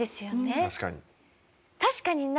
確かに。